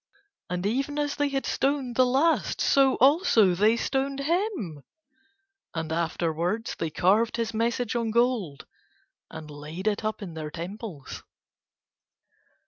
And even as they had stoned the last so also they stoned him. And afterwards they carved his message on gold and laid it up in their temples.